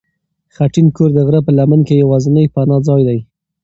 خټین کور د غره په لمن کې یوازینی پناه ځای دی.